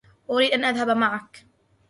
أريد أن أذهب معك.